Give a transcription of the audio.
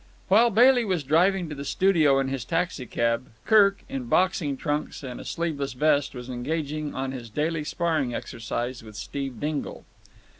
While Bailey was driving to the studio in his taxicab, Kirk, in boxing trunks and a sleeveless vest, was engaged on his daily sparring exercise with Steve Dingle.